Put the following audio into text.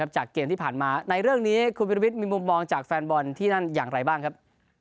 จากเกมที่ผ่านมาในเรื่องนี้คุณวิรวิทย์มีมุมมองจากแฟนบอลที่นั่นอย่างไรบ้างครับ